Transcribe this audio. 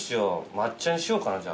抹茶にしようかなじゃあ。